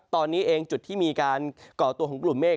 ตอนนี้เองจุดที่มีการก่อตัวของกลุ่มเมฆ